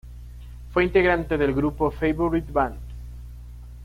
Fue integrante del grupo Favourite Band.